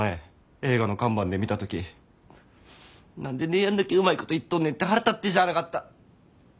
映画の看板で見た時何で姉やんだけうまいこといっとんねんて腹立ってしゃあなかった。